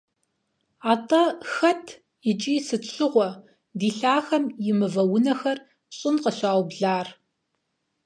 АтIэ хэт икIи сыт щыгъуэ ди лъахэм и мывэ унэхэр щIын къыщаублар?